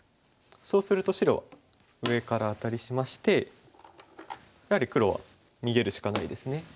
そうすると白は上からアタリしましてやはり黒は逃げるしかないですね。